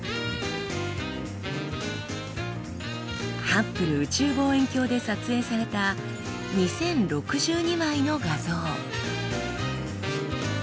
ハッブル宇宙望遠鏡で撮影された２，０６２枚の画像。